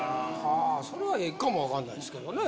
ああそれはええかも分かんないですけどね。